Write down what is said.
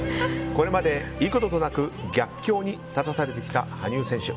これまで幾度となく逆境に立たされてきた羽生選手。